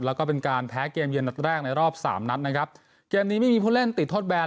แล้วก็เป็นการแพ้เกมเย็นนัดแรกในรอบสามนัดนะครับเกมนี้ไม่มีผู้เล่นติดโทษแบน